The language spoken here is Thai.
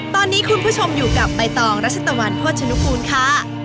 ตอนนี้คุณผู้ชมอยู่กับใบตองรัชตะวันโภชนุกูลค่ะ